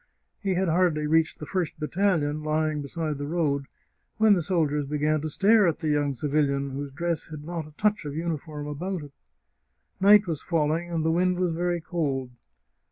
He had hardly reached the first battalion, lying beside the road, when the soldiers began to stare at the young civilian, whose dress had not a touch of uniform about it. Night was falling, and the wind was very cold.